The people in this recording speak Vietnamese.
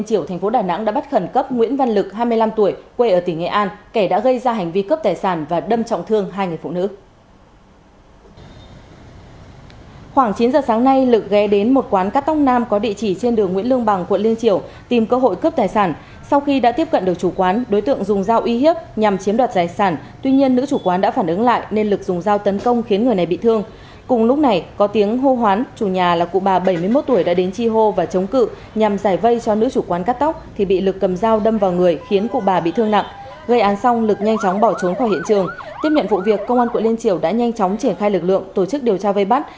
tiếp nhận vụ việc công an của liên triều đã nhanh chóng triển khai lực lượng tổ chức điều tra vây bắt